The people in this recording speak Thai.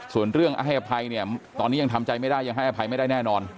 ส่วนเรื่องให้อภัยเนี่ยตอนนี้ยังทำใจไม่ได้ยังให้อภัยไม่ได้แน่นอน